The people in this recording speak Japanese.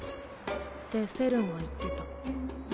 ってフェルンが言ってた。